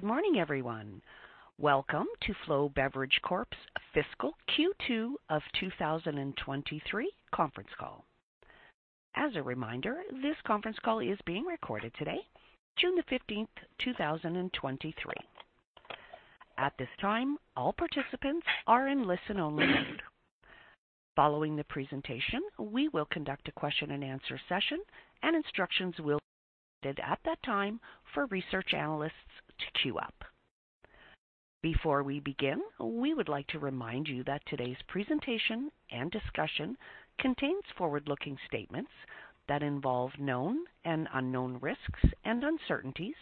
Good morning, everyone. Welcome to Flow Beverage Corp.'s Fiscal Q2 of 2023 conference call. As a reminder, this conference call is being recorded today, June 15th, 2023. At this time, all participants are in listen-only mode. Following the presentation, we will conduct a question and answer session, and instructions will be provided at that time for research analysts to queue up. Before we begin, we would like to remind you that today's presentation and discussion contains forward-looking statements that involve known and unknown risks and uncertainties,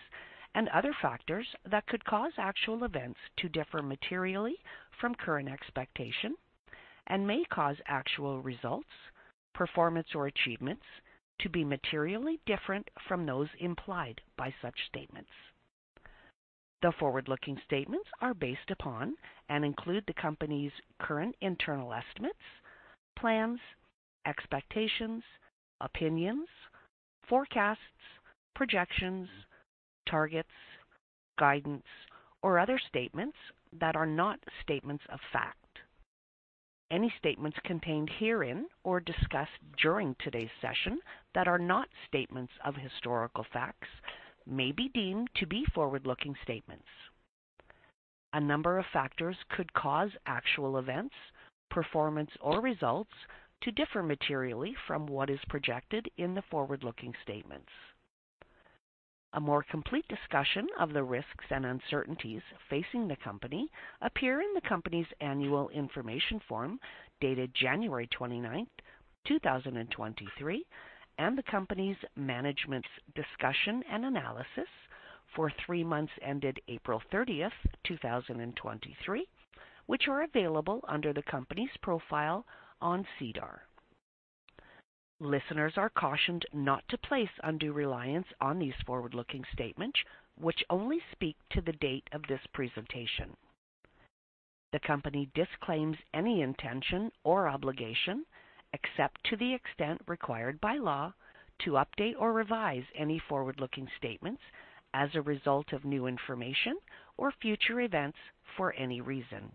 and other factors that could cause actual events to differ materially from current expectation and may cause actual results, performance, or achievements to be materially different from those implied by such statements. The forward-looking statements are based upon and include the company's current internal estimates, plans, expectations, opinions, forecasts, projections, targets, guidance, or other statements that are not statements of fact. Any statements contained herein or discussed during today's session that are not statements of historical facts may be deemed to be forward-looking statements. A number of factors could cause actual events, performance, or results to differ materially from what is projected in the forward-looking statements. A more complete discussion of the risks and uncertainties facing the company appear in the company's annual information form dated January 29th, 2023, and the company's management's discussion and analysis for three months ended April thirtieth, 2023, which are available under the company's profile on SEDAR. Listeners are cautioned not to place undue reliance on these forward-looking statements, which only speak to the date of this presentation. The company disclaims any intention or obligation, except to the extent required by law, to update or revise any forward-looking statements as a result of new information or future events for any reason.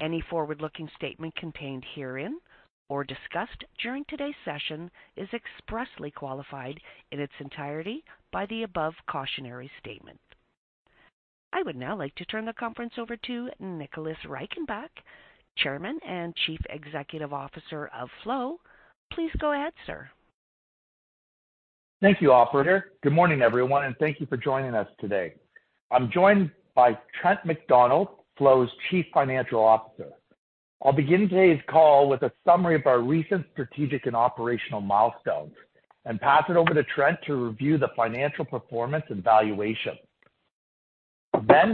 Any forward-looking statement contained herein or discussed during today's session is expressly qualified in its entirety by the above cautionary statement. I would now like to turn the conference over to Nicholas Reichenbach, Chairman and Chief Executive Officer of Flow. Please go ahead, sir. Thank you, operator. Good morning, everyone, thank you for joining us today. I'm joined by Trent MacDonald, Flow's Chief Financial Officer. I'll begin today's call with a summary of our recent strategic and operational milestones and pass it over to Trent to review the financial performance and valuation.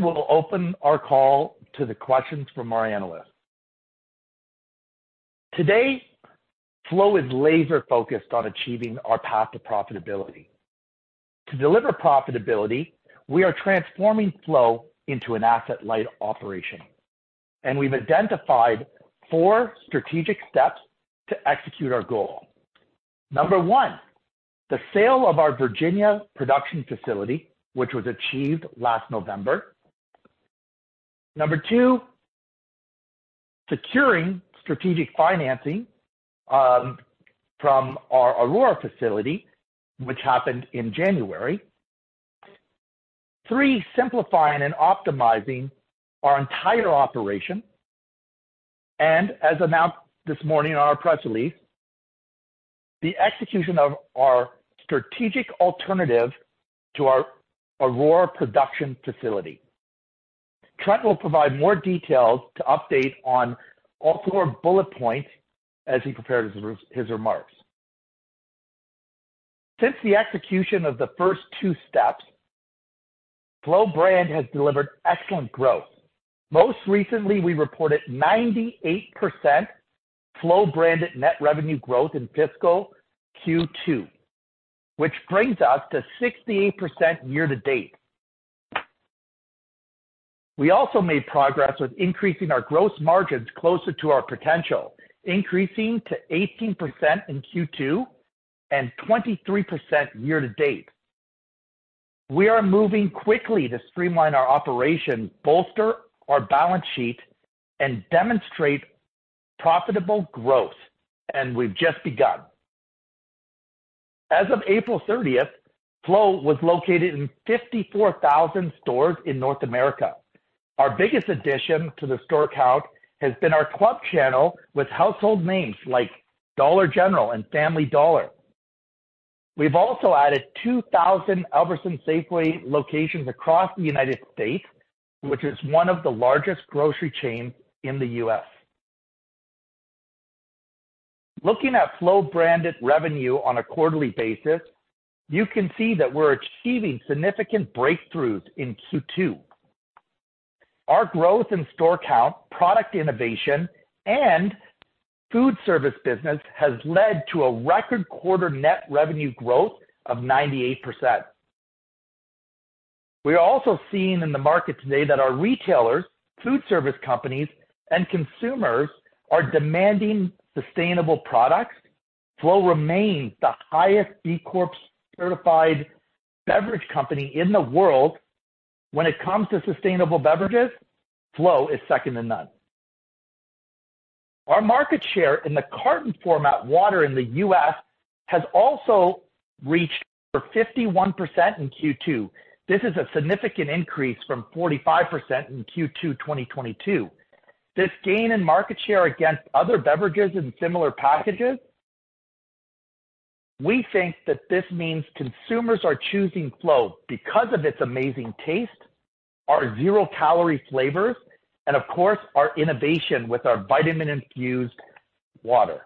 We'll open our call to the questions from our analysts. Today, Flow is laser-focused on achieving our path to profitability. To deliver profitability, we are transforming Flow into an asset-light operation, and we've identified four strategic steps to execute our goal. Number one, the sale of our Virginia production facility, which was achieved last November. Number two, securing strategic financing from our Aurora facility, which happened in January. Three, simplifying and optimizing our entire operation, and as announced this morning in our press release, the execution of our strategic alternative to our Aurora production facility. Trent will provide more details to update on all four bullet points as he prepared his remarks. Since the execution of the first two steps, Flow brand has delivered excellent growth. Most recently, we reported 98% Flow-branded net revenue growth in fiscal Q2, which brings us to 68% year to date. We also made progress with increasing our gross margins closer to our potential, increasing to 18% in Q2 and 23% year to date. We are moving quickly to streamline our operation, bolster our balance sheet and demonstrate profitable growth. We've just begun. As of April 30th, Flow was located in 54,000 stores in North America. Our biggest addition to the store count has been our club channel with household names like Dollar General and Family Dollar. We've also added 2,000 Albertsons-Safeway locations across the United States, which is one of the largest grocery chains in the U.S. Looking at Flow-branded revenue on a quarterly basis, you can see that we're achieving significant breakthroughs in Q2. Our growth in store count, product innovation, and food service business has led to a record quarter net revenue growth of 98%. We are also seeing in the market today that our retailers, food service companies, and consumers are demanding sustainable products. Flow remains the highest B Corp certified beverage company in the world. When it comes to sustainable beverages, Flow is second to none. Our market share in the carton format water in the U.S. has also reached over 51% in Q2. This is a significant increase from 45% in Q2 2022. This gain in market share against other beverages in similar packages, we think that this means consumers are choosing Flow because of its amazing taste, our zero-calorie flavors, and of course, our innovation with our vitamin-infused water.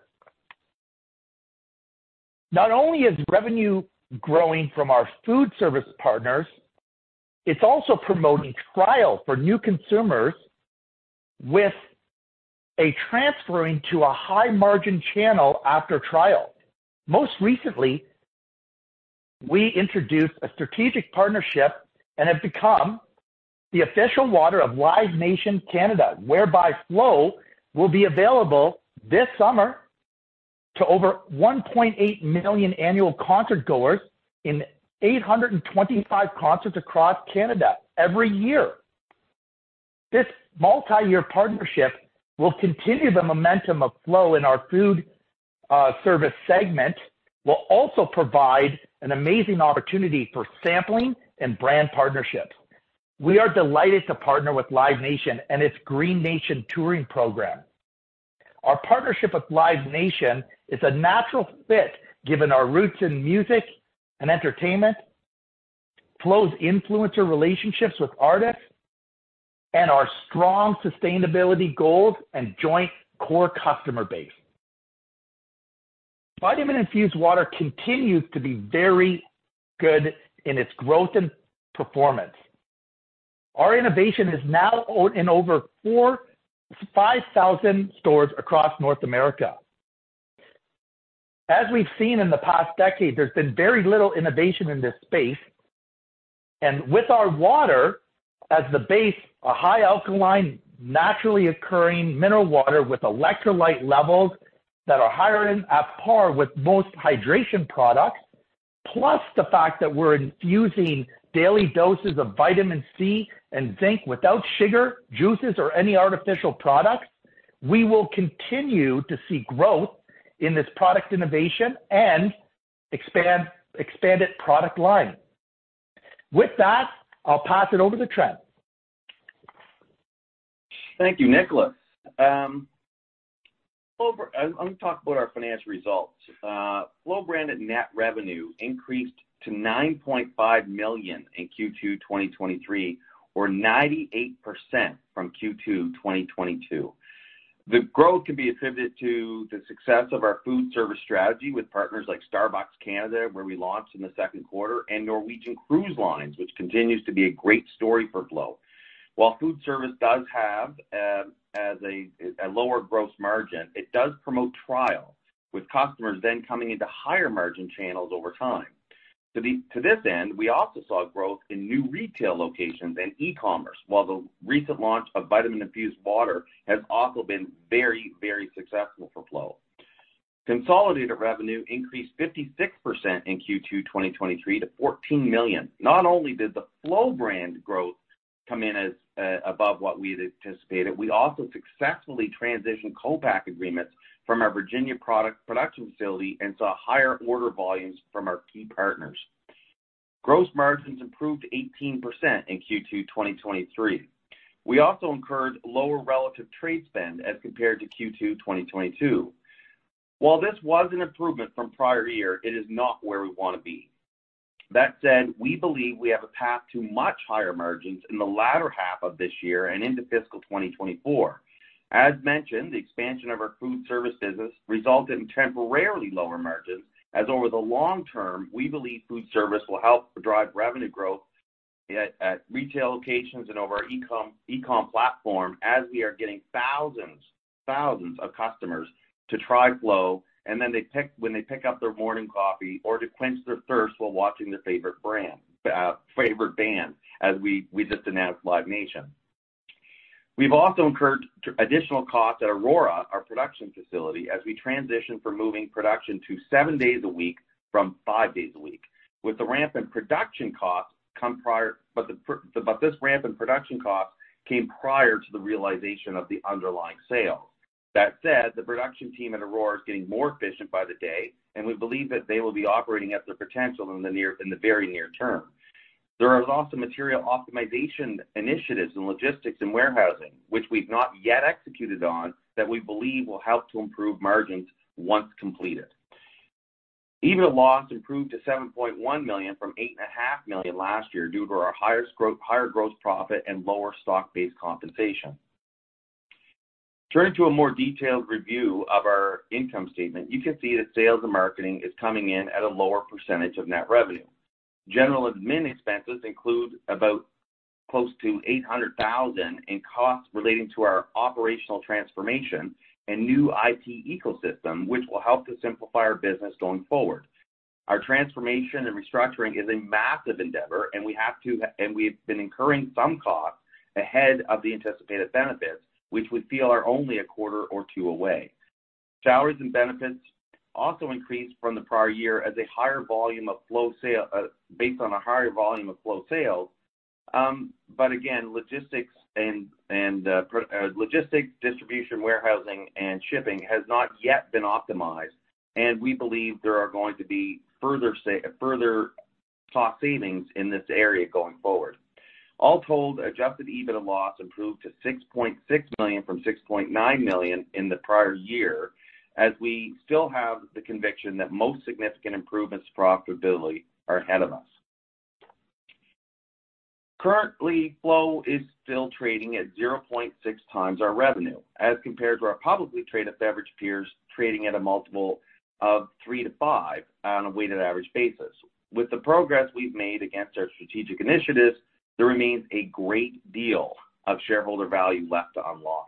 Not only is revenue growing from our food service partners, it's also promoting trial for new consumers with a transferring to a high-margin channel after trial. Most recently, we introduced a strategic partnership and have become the official water of Live Nation Canada, whereby Flow will be available this summer to over 1.8 million annual concert goers in 825 concerts across Canada every year. This multi-year partnership will continue the momentum of Flow in our food service segment, will also provide an amazing opportunity for sampling and brand partnerships. We are delighted to partner with Live Nation and its Green Nation Touring Program. Our partnership with Live Nation is a natural fit, given our roots in music and entertainment, Flow's influencer relationships with artists, and our strong sustainability goals and joint core customer base. Vitamin-infused water continues to be very good in its growth and performance. Our innovation is now in over 5,000 stores across North America. As we've seen in the past decade, there's been very little innovation in this space, and with our water as the base, a high alkaline, naturally occurring mineral water with electrolyte levels that are higher and at par with most hydration products, plus the fact that we're infusing daily doses of vitamin C and zinc without sugar, juices, or any artificial products, we will continue to see growth in this product innovation and expand its product line. With that, I'll pass it over to Trent. Thank you, Nicholas. Flow, I'm gonna talk about our financial results. Flow branded net revenue increased to 9.5 million in Q2 2023, or 98% from Q2 2022. The growth can be attributed to the success of our food service strategy with partners like Starbucks Canada, where we launched in the second quarter, and Norwegian Cruise Line, which continues to be a great story for Flow. While food service does have, as a lower gross margin, it does promote trial, with customers then coming into higher margin channels over time. To this end, we also saw growth in new retail locations and e-commerce, while the recent launch of vitamin-infused water has also been very, very successful for Flow. Consolidated revenue increased 56% in Q2 2023, to 14 million. Not only did the Flow brand growth come in as above what we had anticipated, we also successfully transitioned co-pack agreements from our Virginia production facility and saw higher order volumes from our key partners. Gross margins improved 18% in Q2, 2023. We also incurred lower relative trade spend as compared to Q2, 2022. While this was an improvement from prior year, it is not where we want to be. That said, we believe we have a path to much higher margins in the latter half of this year and into fiscal 2024. As mentioned, the expansion of our food service business resulted in temporarily lower margins, as over the long term, we believe food service will help drive revenue growth at retail locations and over our eCom platform, as we are getting thousands of customers to try Flow, and then when they pick up their morning coffee or to quench their thirst while watching their favorite band, as we just announced Live Nation. We've also incurred additional costs at Aurora, our production facility, as we transition from moving production to seven days a week from five days a week. This ramp in production costs came prior to the realization of the underlying sales. The production team at Aurora is getting more efficient by the day, and we believe that they will be operating at their potential in the very near term. There are also material optimization initiatives in logistics and warehousing, which we've not yet executed on, that we believe will help to improve margins once completed. EBITDA loss improved to 7.1 million from 8.5 million last year due to our higher gross profit and lower stock-based compensation. Turning to a more detailed review of our income statement, you can see that sales and marketing is coming in at a lower percentage of net revenue. General admin expenses include about close to 800,000 in costs relating to our operational transformation and new IT ecosystem, which will help to simplify our business going forward. Our transformation and restructuring is a massive endeavor, we've been incurring some CAD costs ahead of the anticipated benefits, which we feel are only a quarter or two away. Salaries and benefits also increased from the prior year as a higher volume of Flow sales. Again, logistics, distribution, warehousing, and shipping has not yet been optimized, and we believe there are going to be further cost savings in this area going forward. All told, adjusted EBITDA loss improved to 6.6 million from 6.9 million in the prior year, as we still have the conviction that most significant improvements to profitability are ahead of us. Currently, Flow is still trading at 0.6x our revenue, as compared to our publicly traded beverage peers, trading at a multiple of three to five on a weighted average basis. With the progress we've made against our strategic initiatives, there remains a great deal of shareholder value left to unlock.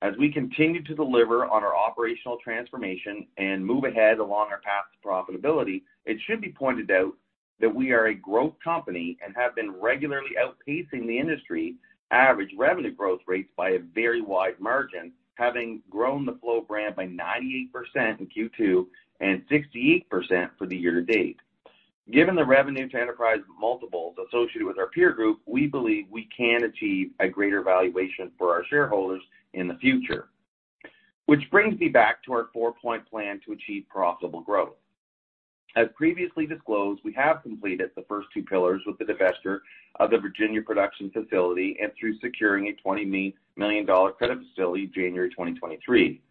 As we continue to deliver on our operational transformation and move ahead along our path to profitability, it should be pointed out that we are a growth company and have been regularly outpacing the industry average revenue growth rates by a very wide margin, having grown the Flow brand by 98% in Q2 and 68% for the year to date. Given the revenue to enterprise multiples associated with our peer group, we believe we can achieve a greater valuation for our shareholders in the future. Which brings me back to our four-point plan to achieve profitable growth. As previously disclosed, we have completed the first two pillars with the divestiture of the Aurora production facility and through securing a 20 million dollar credit facility January 2023.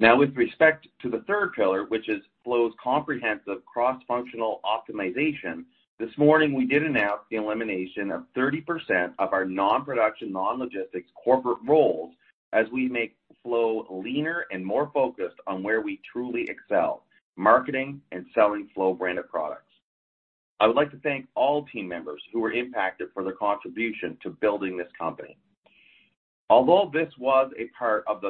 With respect to the third pillar, which is Flow's comprehensive cross-functional optimization, this morning we did announce the elimination of 30% of our non-production, non-logistics corporate roles as we make Flow leaner and more focused on where we truly excel, marketing and selling Flow branded products. I would like to thank all team members who were impacted for their contribution to building this company. Although this was a part of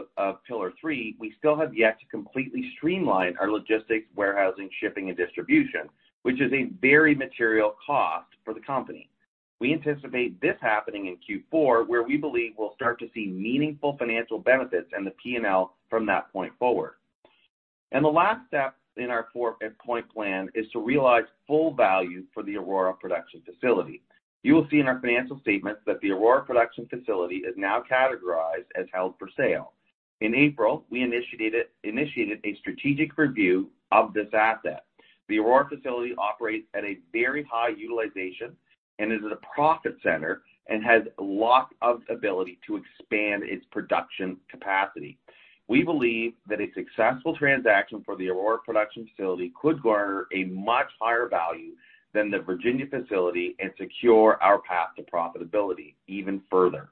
pillar three, we still have yet to completely streamline our logistics, warehousing, shipping, and distribution, which is a very material cost for the company. We anticipate this happening in Q4, where we believe we'll start to see meaningful financial benefits in the P&L from that point forward. The last step in our four-point plan is to realize full value for the Aurora production facility. You will see in our financial statements that the Aurora production facility is now categorized as held for sale. In April, we initiated a strategic review of this asset. The Aurora facility operates at a very high utilization and is a profit center and has a lot of ability to expand its production capacity. We believe that a successful transaction for the Aurora production facility could garner a much higher value than the Virginia facility and secure our path to profitability even further.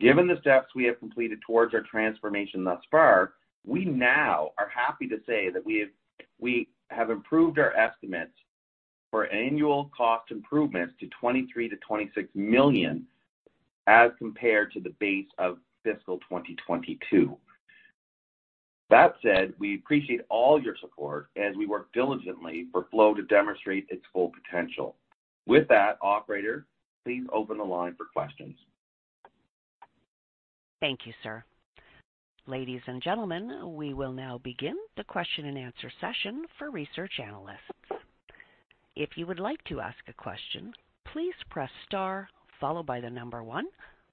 Given the steps we have completed towards our transformation thus far, we now are happy to say that we have improved our estimates for annual cost improvements to 23 million-26 million as compared to the base of fiscal 2022. That said, we appreciate all your support as we work diligently for Flow to demonstrate its full potential. With that, operator, please open the line for questions. Thank you, sir. Ladies and gentlemen, we will now begin the question-and-answer session for research analysts. If you would like to ask a question, please press star followed by the number one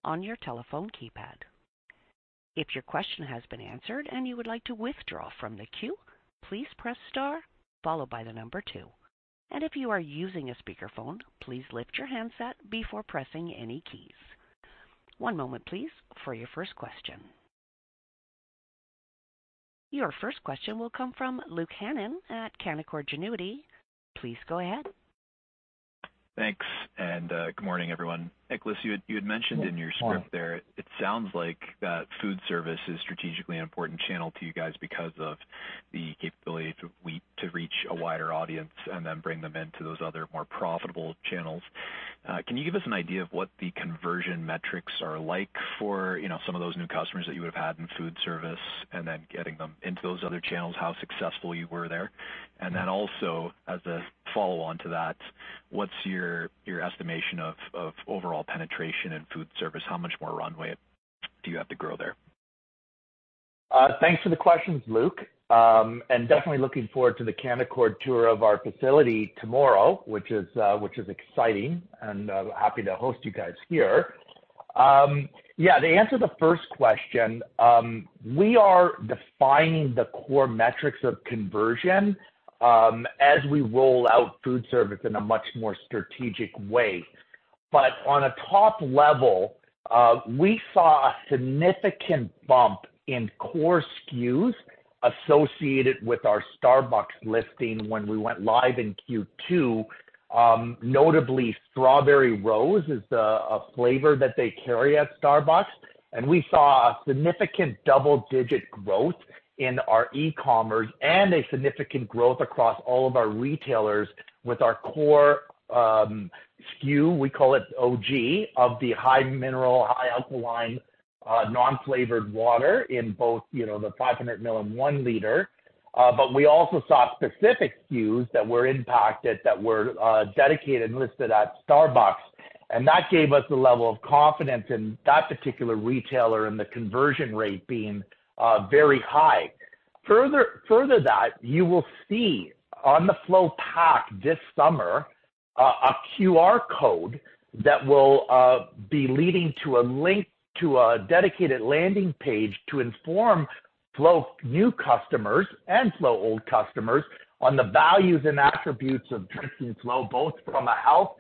on your telephone keypad. If your question has been answered and you would like to withdraw from the queue, please press star followed by the number two. If you are using a speakerphone, please lift your handset before pressing any keys. One moment, please, for your first question. Your first question will come from Luke Hannan at Canaccord Genuity. Please go ahead. Thanks, good morning, everyone. Nicholas, you had mentioned in your script there, it sounds like that food service is strategically an important channel to you guys because of the capability to reach a wider audience and then bring them into those other more profitable channels. Can you give us an idea of what the conversion metrics are like for, you know, some of those new customers that you would have had in food service and then getting them into those other channels, how successful you were there? Also, as a follow-on to that, what's your estimation of overall penetration in food service? How much more runway do you have to grow there? Thanks for the questions, Luke. Definitely looking forward to the Canaccord tour of our facility tomorrow, which is exciting and happy to host you guys here. Yeah, to answer the first question, we are defining the core metrics of conversion, as we roll out food service in a much more strategic way. On a top level, we saw a significant bump in core SKUs associated with our Starbucks listing when we went live in Q2. Notably, Strawberry + Rose is a flavor that they carry at Starbucks, and we saw a significant double-digit growth in our e-commerce and a significant growth across all of our retailers with our core SKU, we call it OG, of the high mineral, high alkaline, non-flavored water in both, you know, the 500 mil and 1 liter. We also saw specific SKUs that were impacted, that were dedicated and listed at Starbucks, and that gave us the level of confidence in that particular retailer and the conversion rate being very high. Further that, you will see on the Flow pack this summer, a QR code that will be leading to a link to a dedicated landing page to inform Flow new customers and Flow old customers on the values and attributes of drinking Flow, both from a health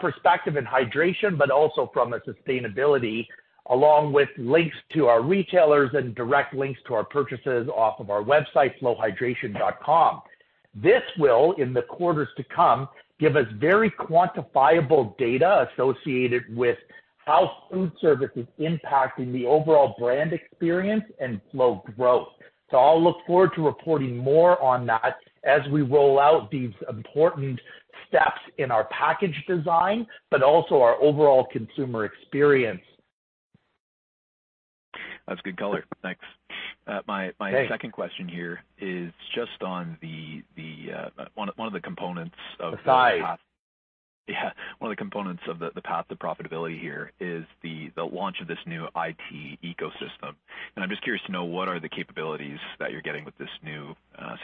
perspective and hydration, but also from a sustainability, along with links to our retailers and direct links to our purchases off of our website, flowhydration.com. This will, in the quarters to come, give us very quantifiable data associated with how food service is impacting the overall brand experience and Flow growth. I'll look forward to reporting more on that as we roll out these important steps in our package design, but also our overall consumer experience. That's good color. Thanks. Thanks. Second question here is just on the, one of the components of the... The size. Yeah, one of the components of the path to profitability here is the launch of this new IT ecosystem. I'm just curious to know, what are the capabilities that you're getting with this new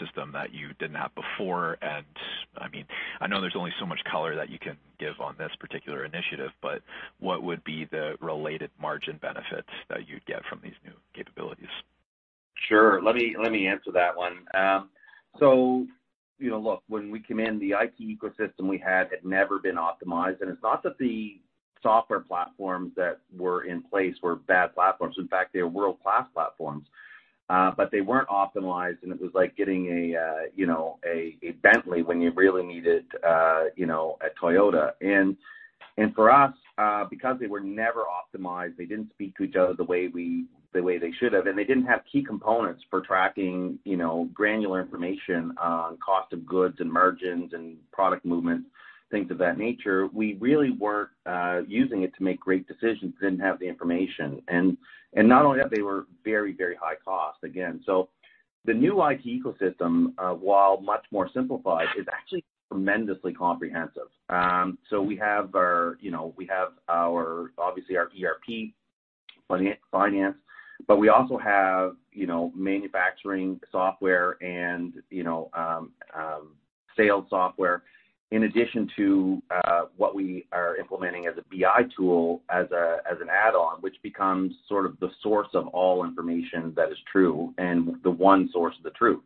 system that you didn't have before? I mean, I know there's only so much color that you can give on this particular initiative, but what would be the related margin benefits that you'd get from these new capabilities? Sure. Let me answer that one. You know, look, when we came in, the IT ecosystem we had had never been optimized. It's not that the software platforms that were in place were bad platforms. In fact, they were world-class platforms. They weren't optimized, and it was like getting a, you know, a Bentley when you really needed, you know, a Toyota. For us, because they were never optimized, they didn't speak to each other the way they should have, and they didn't have key components for tracking, you know, granular information on cost of goods and margins and product movement, things of that nature. We really weren't using it to make great decisions, didn't have the information. Not only that, they were very, very high cost again. The new IT ecosystem, while much more simplified, is actually tremendously comprehensive. We have our, you know, we have our, obviously, our ERP finance, but we also have, you know, manufacturing software and, you know, sales software, in addition to what we are implementing as a BI tool, as an add-on, which becomes sort of the source of all information that is true and the one source of the truth.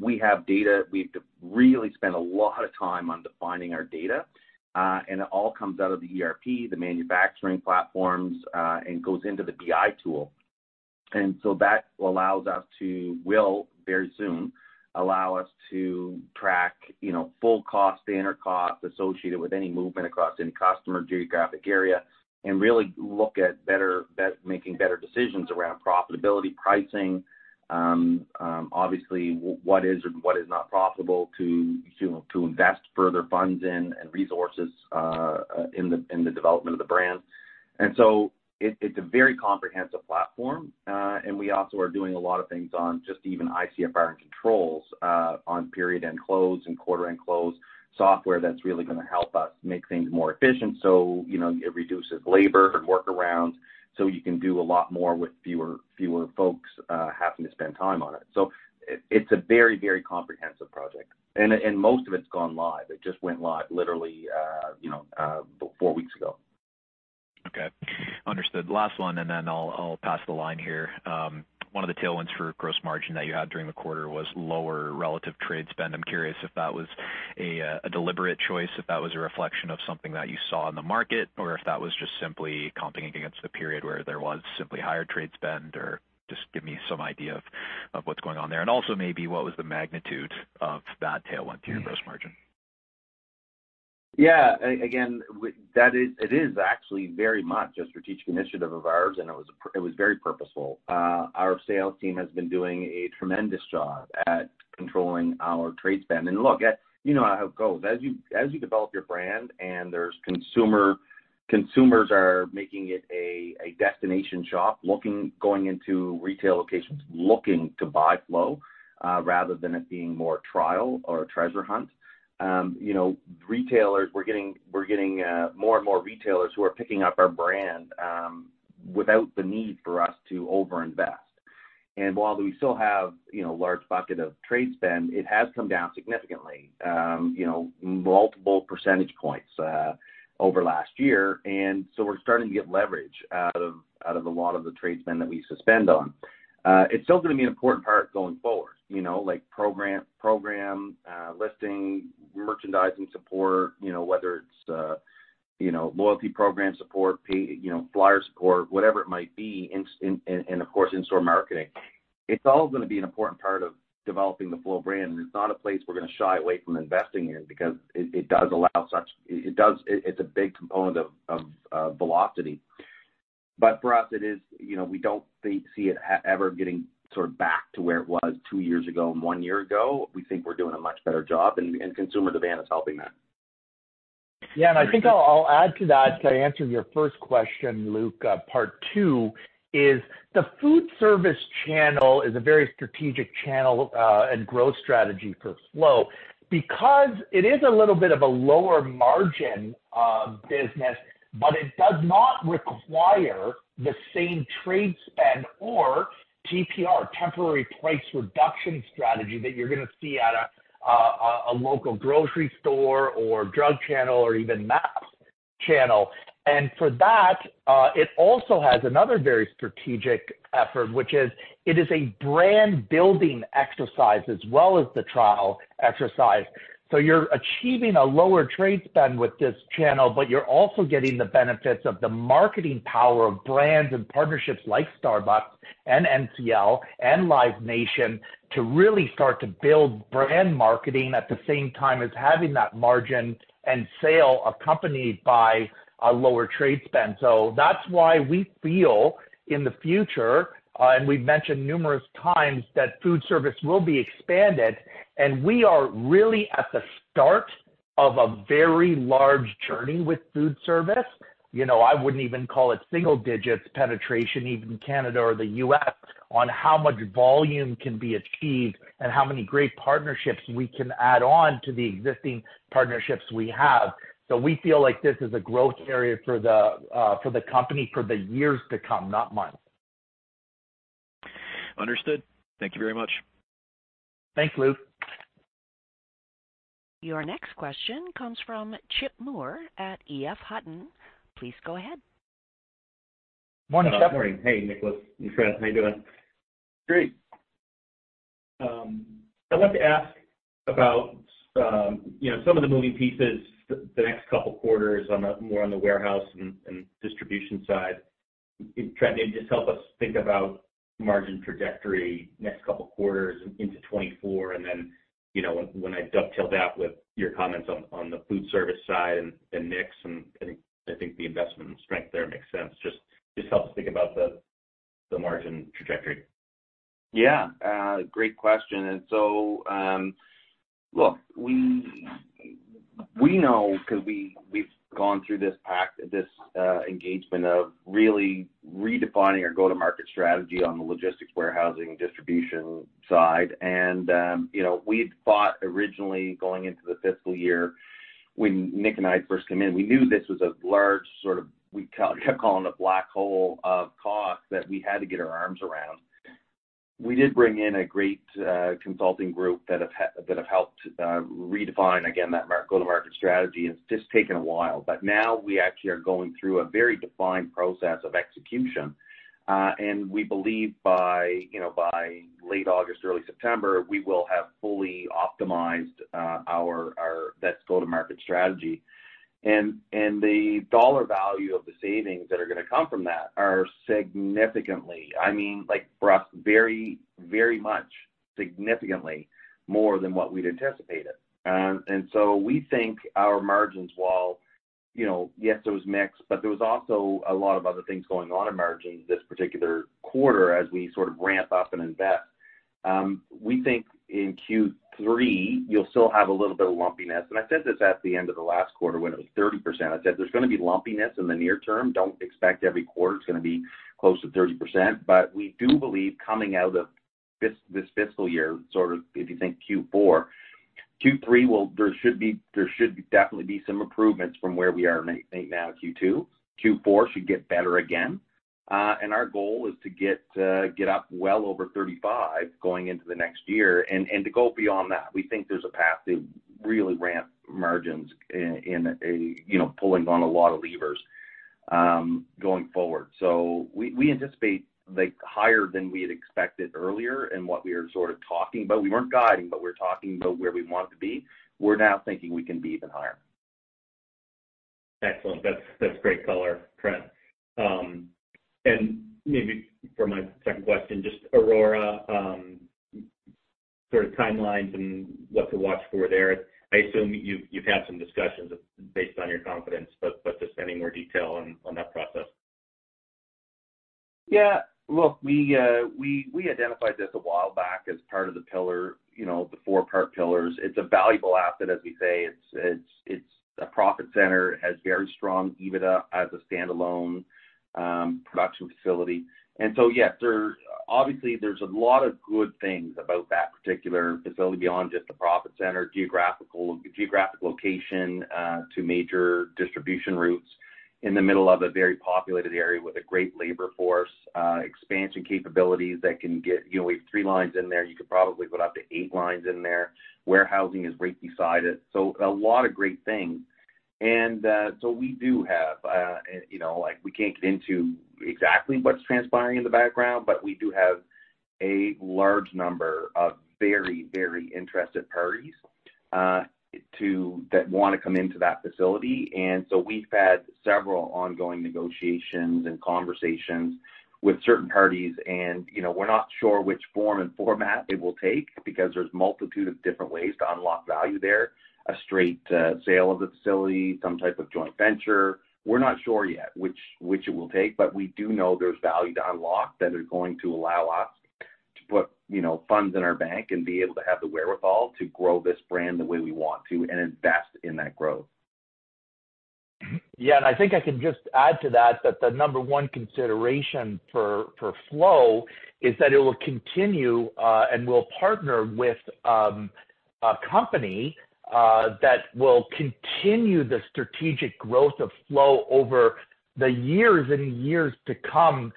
We have data. We've really spent a lot of time on defining our data, and it all comes out of the ERP, the manufacturing platforms, and goes into the BI tool. That allows us to... Will very soon, allow us to track, you know, full cost, the inner cost associated with any movement across any customer geographic area, and really look at better making better decisions around profitability, pricing, obviously, what is and what is not profitable to invest further funds in, and resources, in the development of the brand. It's a very comprehensive platform, and we also are doing a lot of things on just even ICFR and controls, on period-end close and quarter-end close software that's really gonna help us make things more efficient. You know, it reduces labor and workarounds, so you can do a lot more with fewer folks, having to spend time on it. It's a very comprehensive project, and most of it's gone live. It just went live literally, you know, four weeks ago. Okay, understood. Last one, then I'll pass the line here. One of the tailwinds for gross margin that you had during the quarter was lower relative trade spend. I'm curious if that was a deliberate choice, if that was a reflection of something that you saw in the market, or if that was just simply comping against a period where there was simply higher trade spend, or just give me some idea of what's going on there? Also maybe what was the magnitude of that tailwind to your gross margin? Yeah. Again, it is actually very much a strategic initiative of ours, and it was very purposeful. Our sales team has been doing a tremendous job at controlling our trade spend. Look, you know how it goes. As you develop your brand and consumers are making it a destination shop, looking, going into retail locations, looking to buy Flow, rather than it being more trial or a treasure hunt. You know, retailers, we're getting more and more retailers who are picking up our brand, without the need for us to overinvest. While we still have, you know, a large bucket of trade spend, it has come down significantly, you know, multiple percentage points over last year. We're starting to get leverage out of a lot of the trade spend that we used to spend on. It's still going to be an important part going forward, you know, like program listing, merchandising support, you know, whether it's loyalty program support, flyer support, whatever it might be, in and of course, in-store marketing. It's all going to be an important part of developing the Flow brand. It's not a place we're going to shy away from investing in, because it does allow such. It's a big component of velocity. For us, it is, you know, we don't see it ever getting sort of back to where it was two years ago and one year ago. We think we're doing a much better job, and consumer demand is helping that. Yeah, I think I'll add to that, to answer your first question, Luke, part two, is the food service channel is a very strategic channel and growth strategy for Flow. Because it is a little bit of a lower margin business, but it does not require the same trade spend or TPR, temporary price reduction strategy, that you're gonna see at a local grocery store or drug channel or even mass channel. For that, it also has another very strategic effort, which is, it is a brand-building exercise as well as the trial exercise. You're achieving a lower trade spend with this channel, but you're also getting the benefits of the marketing power of brands and partnerships like Starbucks and NCL and Live Nation, to really start to build brand marketing at the same time as having that margin and sale accompanied by a lower trade spend. That's why we feel in the future, and we've mentioned numerous times, that food service will be expanded, and we are really at the start of a very large journey with food service. You know, I wouldn't even call it single digits penetration, even Canada or the U.S., on how much volume can be achieved and how many great partnerships we can add on to the existing partnerships we have. We feel like this is a growth area for the company, for the years to come, not months. Understood. Thank you very much. Thanks, Luke. Your next question comes from Chip Moore at EF Hutton. Please go ahead. Morning, Chip. Good morning. Hey, Nicholas and Trent. How you doing? Great. I wanted to ask about, you know, some of the moving pieces the next couple quarters on the, more on the warehouse and distribution side. Trying to just help us think about margin trajectory next couple quarters into 2024, and then, you know, when I dovetail that with your comments on the food service side and mix, and I think the investment and strength there makes sense. Just help us think about the margin trajectory. Yeah, great question. Look, we know, 'cause we've gone through this pact, this engagement of really redefining our go-to-market strategy on the logistics, warehousing, distribution side. You know, we'd thought originally going into the fiscal year, when Nick and I first came in, we knew this was a large sort of black hole of cost that we had to get our arms around. We did bring in a great consulting group that have helped redefine, again, that go-to-market strategy, and it's just taken a while. Now we actually are going through a very defined process of execution. We believe by, you know, by late August, early September, we will have fully optimized our this go-to-market strategy. The dollar value of the savings that are gonna come from that are significantly, I mean, like, for us, very, very much, significantly more than what we'd anticipated. So we think our margins, while, you know, yes, there was mix, but there was also a lot of other things going on in margins this particular quarter, as we sort of ramp up and invest. We think in Q3, you'll still have a little bit of lumpiness. I said this at the end of the last quarter, when it was 30%. I said, There's gonna be lumpiness in the near term. Don't expect every quarter it's gonna be close to 30%. We do believe coming out of this fiscal year, sort of if you think Q4, Q3, there should be, there should definitely be some improvements from where we are right now, Q2. Q4 should get better again. Our goal is to get up well over 35%, going into the next year. To go beyond that, we think there's a path to really ramp margins in a, you know, pulling on a lot of levers, going forward. We, we anticipate, like, higher than we had expected earlier and what we were sort of talking about. We weren't guiding, but we're talking about where we wanted to be. We're now thinking we can be even higher. Excellent. That's great color, Trent. Maybe for my second question, just Aurora, sort of timelines and what to watch for there. I assume you've had some discussions based on your confidence, but just any more detail on that process? Yeah. Look, we identified this a while back as part of the pillar, you know, the four-part pillars. It's a valuable asset, as we say. It's a profit center, has very strong EBITDA as a standalone production facility. Yes, obviously, there's a lot of good things about that particular facility beyond just the profit center, geographic location, to major distribution routes in the middle of a very populated area with a great labor force, expansion capabilities that can get... You know, we have three lines in there. You could probably go up to eight lines in there. Warehousing is right beside it. A lot of great things. So we do have, you know, like, we can't get into exactly what's transpiring in the background, but we do have a large number of very, very interested parties that wanna come into that facility. We've had several ongoing negotiations and conversations with certain parties. You know, we're not sure which form and format it will take because there's multitude of different ways to unlock value there. A straight sale of the facility, some type of joint venture. We're not sure yet which it will take, but we do know there's value to unlock that is going to allow us to put, you know, funds in our bank and be able to have the wherewithal to grow this brand the way we want to and invest in that growth. I think I can just add to that the number one consideration for Flow is that it will continue and will partner with a company that will continue the strategic growth of Flow over the years and years to come,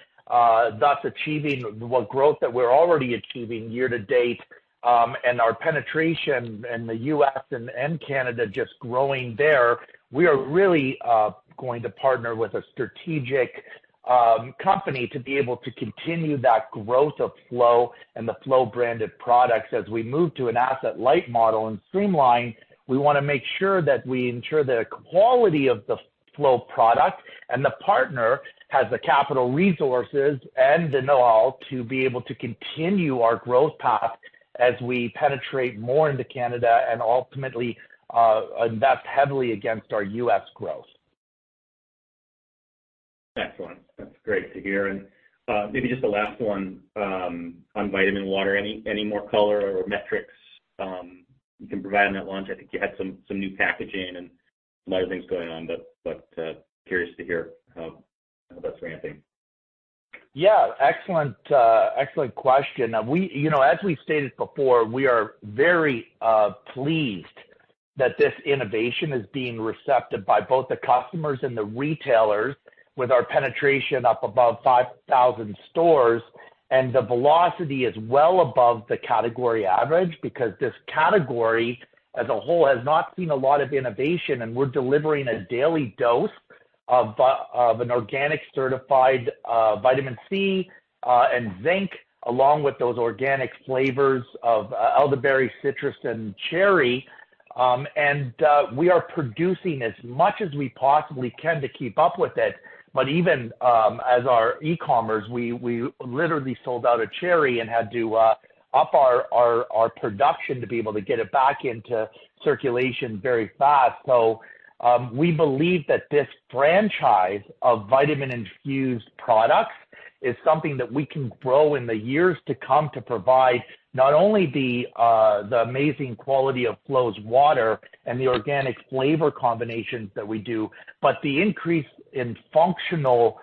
thus achieving what growth that we're already achieving year to date, and our penetration in the U.S. and Canada just growing there. We are really going to partner with a strategic company to be able to continue that growth of Flow and the Flow branded products. As we move to an asset-light model and streamline, we wanna make sure that we ensure the quality of the Flow product, and the partner has the capital resources and the know-how to be able to continue our growth path as we penetrate more into Canada and ultimately invest heavily against our U.S. growth. Excellent. That's great to hear. Maybe just the last one on vitamin-infused water. Any more color or metrics you can provide on that launch? I think you had some new packaging and a lot of things going on, but curious to hear how that's ramping. Excellent, excellent question. You know, as we stated before, we are very pleased that this innovation is being receptive by both the customers and the retailers, with our penetration up above 5,000 stores, and the velocity is well above the category average. This category, as a whole, has not seen a lot of innovation, and we're delivering a daily dose of an organic certified vitamin C, and zinc, along with those organic flavors of Elderberry, Citrus, and Cherry. We are producing as much as we possibly can to keep up with it. Even, as our e-commerce, we literally sold out a Cherry and had to up our production to be able to get it back into circulation very fast. We believe that this franchise of vitamin-infused products is something that we can grow in the years to come, to provide not only the amazing quality of Flow's water and the organic flavor combinations that we do, but the increase in functional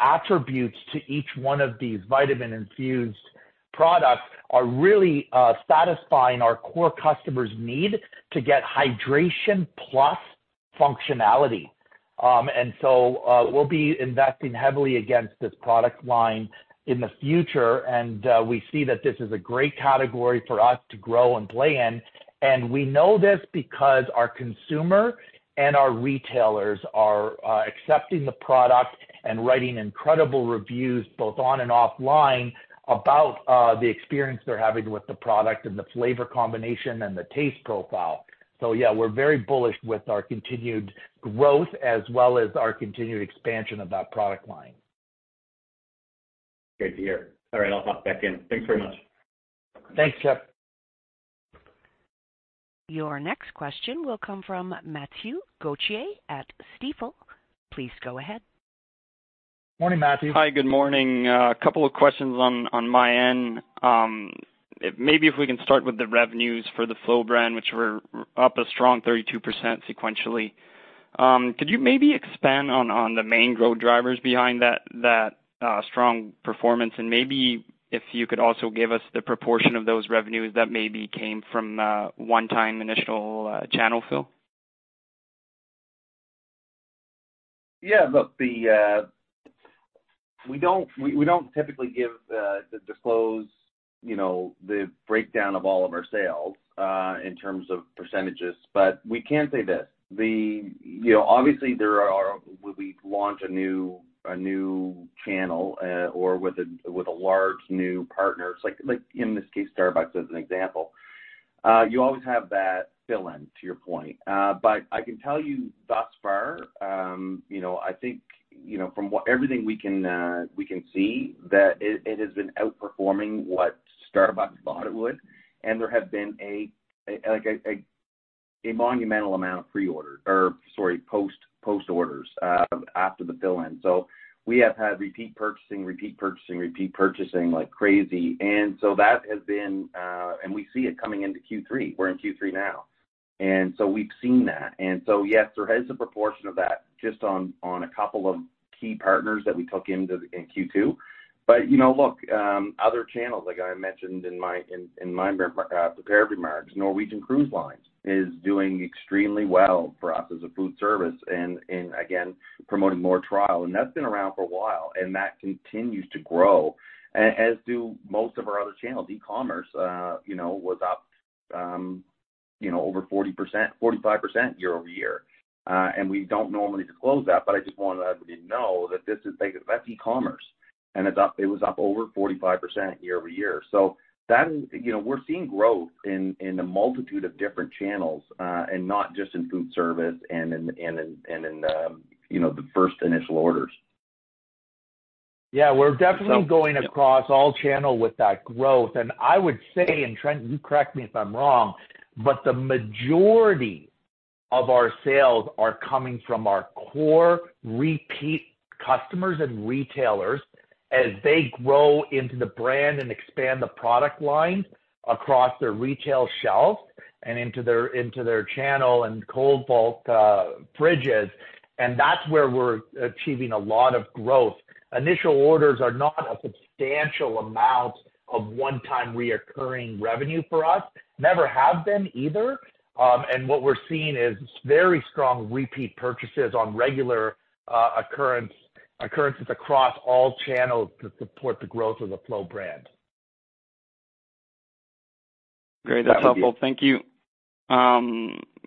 attributes to each one of these vitamin-infused products are really satisfying our core customer's need to get hydration plus functionality. We'll be investing heavily against this product line in the future, and we see that this is a great category for us to grow and play in. We know this because our consumer and our retailers are accepting the product and writing incredible reviews, both on and off line, about the experience they're having with the product and the flavor combination and the taste profile. Yeah, we're very bullish with our continued growth as well as our continued expansion of that product line. Great to hear. All right, I'll hop back in. Thanks very much. Thanks, Chip. Your next question will come from Mathieu Gauthier at Stifel. Please go ahead. Morning, Mathieu. Hi, good morning. A couple of questions on my end. Maybe if we can start with the revenues for the Flow brand, which were up a strong 32% sequentially. Could you maybe expand on the main growth drivers behind that strong performance? Maybe if you could also give us the proportion of those revenues that maybe came from one-time initial channel fill. Yeah, look, we don't, we don't typically give, you know, the breakdown of all of our sales in terms of percentages, we can say this. You know, obviously, there are, when we launch a new channel, or with a large new partner, like in this case, Starbucks, as an example, you always have that fill-in, to your point. I can tell you, thus far, you know, I think, you know, from what everything we can see, that it has been outperforming what Starbucks thought it would. There have been like a monumental amount of pre-order or, sorry, post orders after the fill-in. We have had repeat purchasing, repeat purchasing, repeat purchasing like crazy. That has been. We see it coming into Q3. We're in Q3 now, we've seen that. Yes, there is a proportion of that just on a couple of key partners that we took into in Q2. You know, look, other channels, like I mentioned in my prepared remarks, Norwegian Cruise Line is doing extremely well for us as a food service and again, promoting more trial. That's been around for a while, and that continues to grow, as do most of our other channels. E-commerce, you know, was up, you know, over 40%, 45% year-over-year. We don't normally disclose that, but I just wanted everybody to know that this is big. That's e-commerce, and it's up, it was up over 45% year-over-year. That, you know, we're seeing growth in a multitude of different channels, and not just in food service and in, you know, the first initial orders. Yeah, we're definitely going across all channel with that growth. I would say, Trent, you correct me if I'm wrong, but the majority of our sales are coming from our core repeat customers and retailers as they grow into the brand and expand the product line across their retail shelf and into their channel and cold vault fridges. That's where we're achieving a lot of growth. Initial orders are not a substantial amount of one-time reoccurring revenue for us. Never have been either. What we're seeing is very strong repeat purchases on regular occurrences across all channels that support the growth of the Flow brand. Great. That's helpful. Thank you.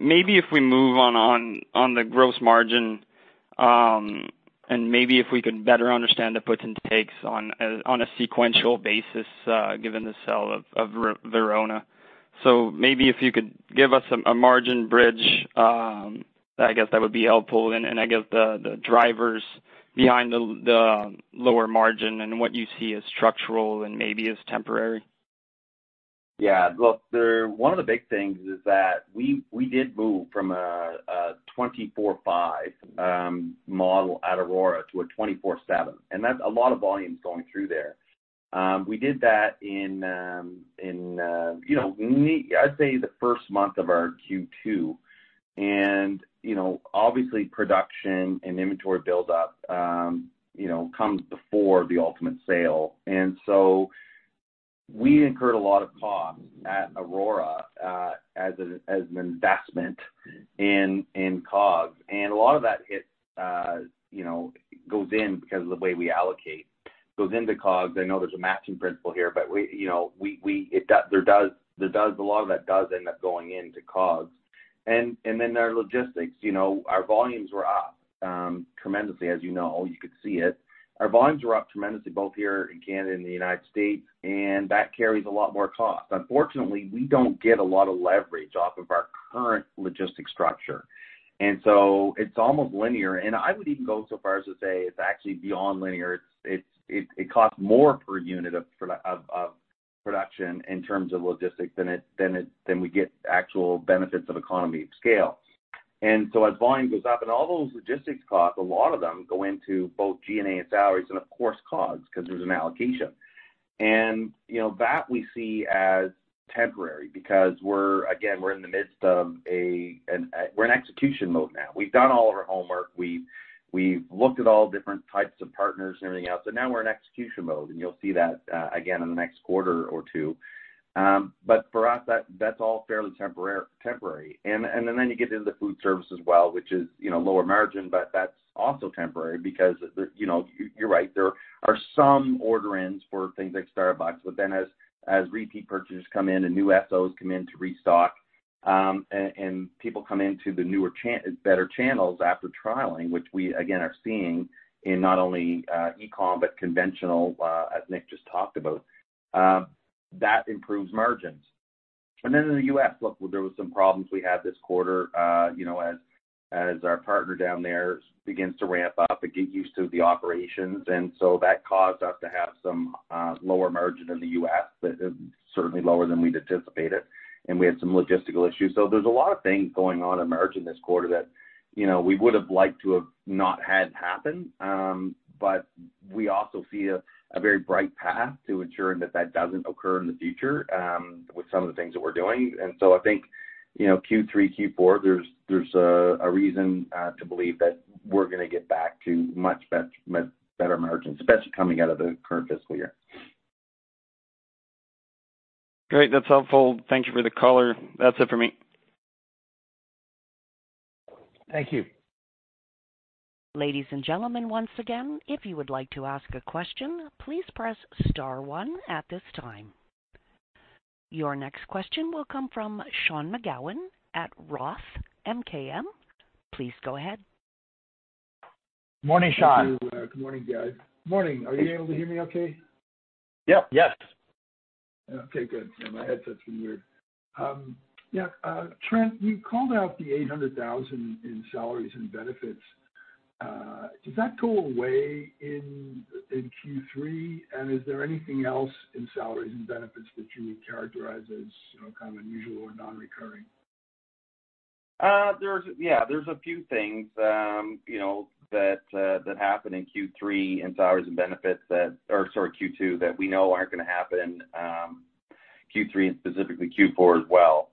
Maybe if we move on the gross margin. Maybe if we could better understand the puts and takes on a sequential basis, given the sale of Aurora. Maybe if you could give us a margin bridge, I guess that would be helpful. I guess the drivers behind the lower margin and what you see as structural and maybe as temporary. Yeah. Look, one of the big things is that we did move from a 24/5 model at Aurora to a 24/7. That's a lot of volumes going through there. We did that in, you know, I'd say the first month of our Q2. You know, obviously, production and inventory buildup, you know, comes before the ultimate sale. So we incurred a lot of costs at Aurora, as a, as an investment in COGS. A lot of that hit, you know, goes in because of the way we allocate. Goes into COGS. I know there's a matching principle here, we, you know, there does, a lot of that does end up going into COGS. Our logistics, our volumes were up tremendously, as you could see it. Our volumes were up tremendously, both here in Canada and the United States. That carries a lot more cost. Unfortunately, we don't get a lot of leverage off of our current logistic structure. It's almost linear. I would even go so far as to say it's actually beyond linear. It costs more per unit of production in terms of logistics than we get actual benefits of economy of scale. As volume goes up and all those logistics costs, a lot of them go into both G&A and salaries and, of course, COGS, because there's an allocation. You know, that we see as temporary because we're, again, we're in the midst of execution mode now. We've done all of our homework. We've looked at all different types of partners and everything else, so now we're in execution mode, and you'll see that again, in the next quarter or two. For us, that's all fairly temporary. You get into the food service as well, which is, you know, lower margin, but that's also temporary because the... You know, you're right, there are some order-ins for things like Starbucks, as repeat purchases come in and new SOs come in to restock, and people come into the newer better channels after trialing, which we again are seeing in not only e-com, but conventional, as Nick just talked about, that improves margins. In the U.S., look, there were some problems we had this quarter, you know, as our partner down there begins to ramp up and get used to the operations, that caused us to have some lower margin in the U.S., certainly lower than we'd anticipated, and we had some logistical issues. There's a lot of things going on in margin this quarter that, you know, we would have liked to have not had happen. We also see a very bright path to ensuring that that doesn't occur in the future, with some of the things that we're doing. I think, you know, Q3, Q4, there's a reason to believe that we're gonna get back to much better margins, especially coming out of the current fiscal year. Great. That's helpful. Thank you for the color. That's it for me. Thank you. Ladies and gentlemen, once again, if you would like to ask a question, please press star one at this time. Your next question will come from Sean McGowan at ROTH MKM. Please go ahead. Morning, Sean. Thank you. Good morning, guys. Morning. Are you able to hear me okay? Yep. Yes. Okay, good. My headset's been weird. Trent, you called out the 800,000 in salaries and benefits. Does that go away in Q3? Is there anything else in salaries and benefits that you would characterize as, you know, kind of unusual or non-recurring? There's a few things, you know, that happen in Q3 in salaries and benefits that... Or sorry, Q2, that we know aren't going to happen Q3 and specifically Q4 as well.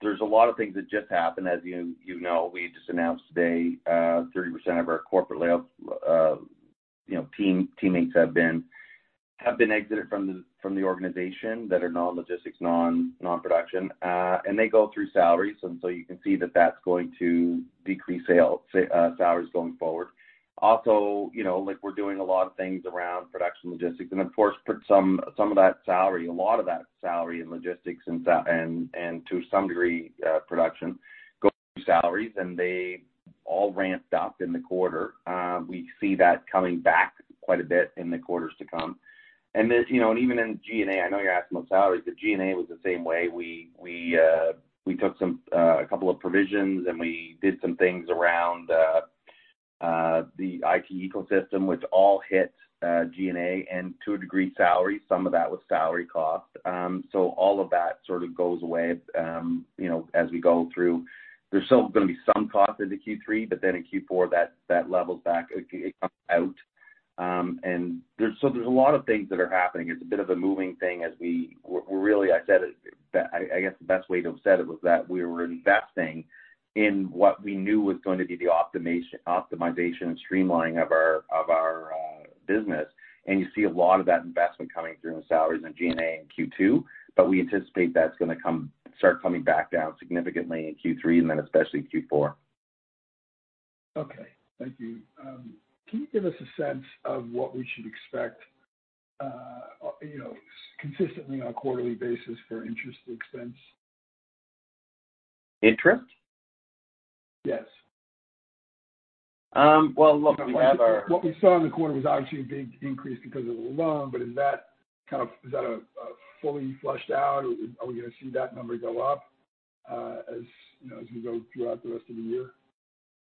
There's a lot of things that just happened. As you know, we just announced today, 30% of our corporate layout teammates have been exited from the organization that are non-logistics, non-production. They go through salaries, and so you can see that that's going to decrease salaries going forward. Also, you know, like, we're doing a lot of things around production, logistics, and of course, put some of that salary, a lot of that salary in logistics and to some degree, production, go through salaries, and they all ramped up in the quarter. We see that coming back quite a bit in the quarters to come. Then, you know, and even in G&A, I know you're asking about salaries, but G&A was the same way. We took some a couple of provisions, and we did some things around the IT ecosystem, which all hit G&A and to a degree, salary, some of that was salary cost. All of that sort of goes away, you know, as we go through. There's still going to be some cost into Q3. In Q4, that levels back, it comes out. There's a lot of things that are happening. It's a bit of a moving thing. We're really, I said it, I guess the best way to have said it was that we were investing in what we knew was going to be the optimization and streamlining of our business. You see a lot of that investment coming through in salaries and G&A in Q2. We anticipate that's gonna start coming back down significantly in Q3, especially in Q4. Okay. Thank you. Can you give us a sense of what we should expect, you know, consistently on a quarterly basis for interest expense? Interest? Yes. Look, we have. What we saw in the quarter was obviously a big increase because of the loan, but is that kind of, is that a fully flushed out, or are we gonna see that number go up, as, you know, as we go throughout the rest of the year?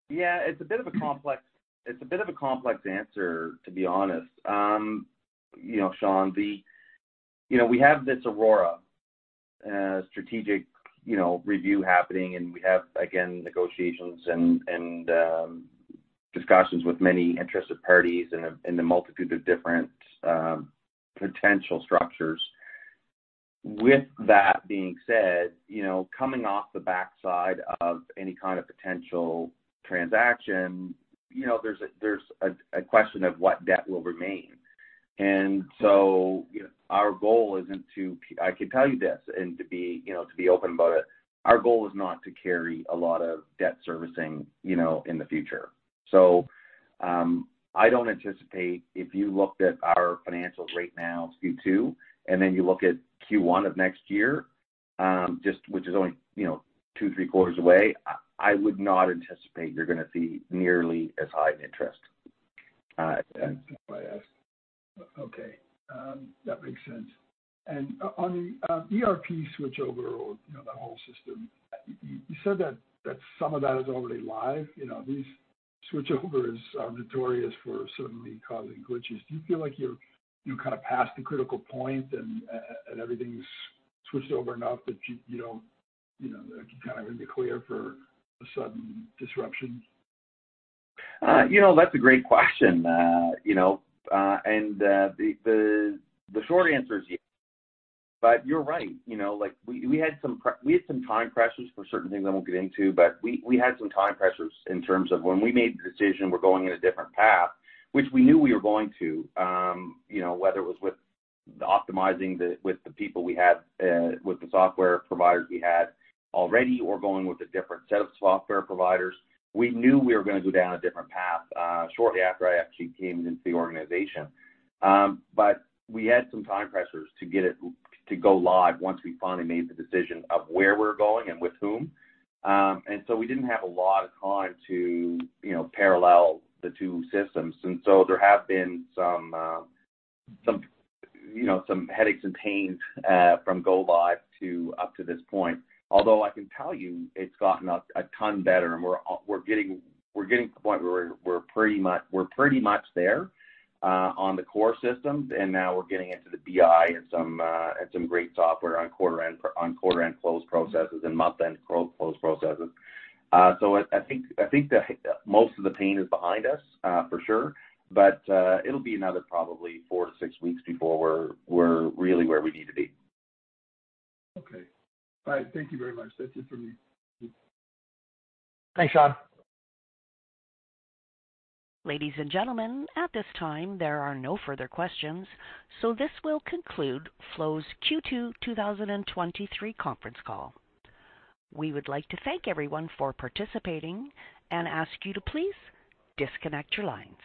Yeah, it's a bit of a complex answer, to be honest. You know, Sean, you know, we have this Aurora strategic, you know, review happening, and we have, again, negotiations and discussions with many interested parties in a multitude of different potential structures. With that being said, you know, coming off the backside of any kind of potential transaction, you know, there's a question of what debt will remain. You know, I can tell you this and to be, you know, to be open about it. Our goal is not to carry a lot of debt servicing, you know, in the future. I don't anticipate, if you looked at our financials right now, Q2, you look at Q1 of next year, which is only, you know, two, three quarters away, I would not anticipate you're gonna see nearly as high an interest. That's why I asked. Okay, that makes sense. On, ERP switchover or, you know, that whole system, you said that some of that is already live. You know, these switchovers are notorious for certainly causing glitches. Do you feel like you're kind of past the critical point and everything's switched over enough that you know, kind of in the clear for a sudden disruption? You know, that's a great question. You know, the short answer is yes, but you're right. You know, like, we had some time pressures for certain things I won't get into, but we had some time pressures in terms of when we made the decision, we're going in a different path, which we knew we were going to, you know, whether it was optimizing with the people we had, with the software providers we had already or going with a different set of software providers. We knew we were gonna go down a different path, shortly after I actually came into the organization. We had some time pressures to get it to go live once we finally made the decision of where we're going and with whom. We didn't have a lot of time to, you know, parallel the two systems. There have been some, you know, some headaches and pains from go live to up to this point. Although I can tell you, it's gotten a ton better, and we're getting to the point where we're pretty much there on the core systems, and now we're getting into the BI and some great software on quarter-end close processes and month-end close processes. I think that most of the pain is behind us for sure, but it'll be another probably four, six weeks before we're really where we need to be. Okay. All right. Thank you very much. That's it for me. Thanks, Sean. Ladies and gentlemen, at this time, there are no further questions. This will conclude Flow's Q2 2023 conference call. We would like to thank everyone for participating and ask you to please disconnect your lines.